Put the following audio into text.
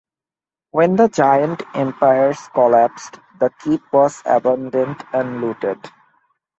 When the Giant Empires collapsed, the Keep was abandoned and looted.